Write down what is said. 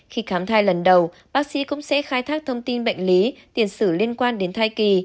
khi khám thai lần đầu bác sĩ cũng sẽ khai thác thông tin bệnh lý tiền sử liên quan đến thai kỳ